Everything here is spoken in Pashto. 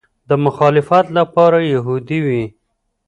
د مخالفت لپاره یهودي وي.